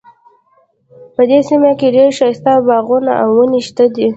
په دې سیمه کې ډیر ښایسته باغونه او ونې شته دي